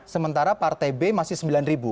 sementara partai b masih sembilan ribu